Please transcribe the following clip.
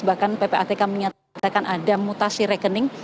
bahkan ppatk menyatakan ada mutasi rekening